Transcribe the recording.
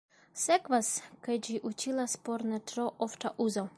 Sekvas, ke ĝi utilas por ne tro ofta uzo.